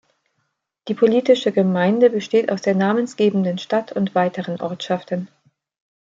Die politische Gemeinde besteht aus der namensgebenden Stadt und weiteren Ortschaften.